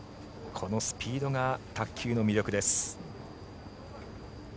このスピードが卓球の魅力です。